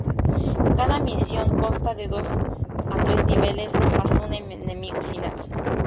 Cada misión consta de dos a tres niveles más un enemigo final.